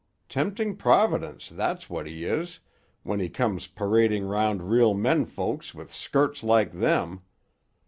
Tempting providence, that's what he is, when he comes parading 'round real men folks with skirts like them.